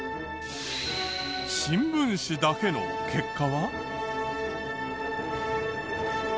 新聞紙だけの結果は？